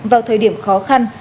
vào thời điểm khó khăn